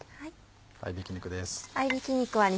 合びき肉です。